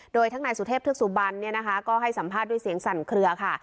โดยทั้งนายสุเทพเทือกสุบันเนี่ยนะคะก็ให้สัมภาษณ์ด้วยเสียงสั่นเคลือค่ะ